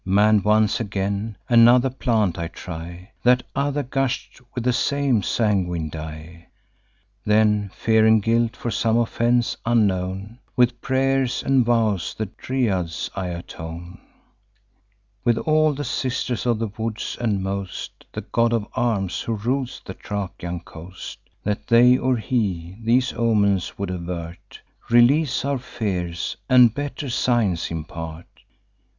Mann'd once again, another plant I try: That other gush'd with the same sanguine dye. Then, fearing guilt for some offence unknown, With pray'rs and vows the Dryads I atone, With all the sisters of the woods, and most The God of Arms, who rules the Thracian coast, That they, or he, these omens would avert, Release our fears, and better signs impart.